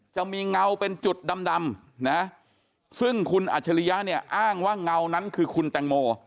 เงาเป็นจุดดำนะซึ่งคุณอัจฉริยะเนี่ยอ้างว่าเงานั้นคือคุณแตงโม